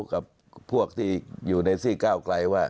กับพวกที่อยู่ในซี่ก้าวไกลว่า